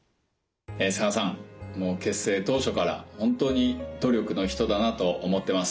佐賀さん結成当初から本当に努力の人だなと思ってます。